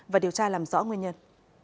và điều tra làm rõ nguyên nhân